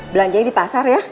belanjanya di pasar ya